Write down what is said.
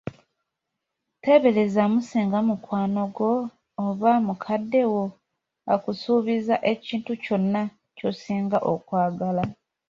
Teeberezaamu singa mukwano gwo oba mukadde wo akusuubizza ekintu kyonna ky'osinga okwagala!